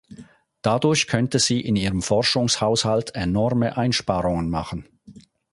Dadurch könnte sie in ihrem Forschungshaushalt enorme Einsparungen machen.